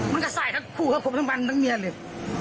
มันกระใสพักคู่เข้าไปทั้งวันทั้งเมียเลย